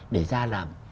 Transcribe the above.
để ra làm